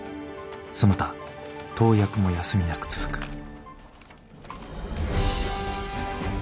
その他投薬も休みなく続く。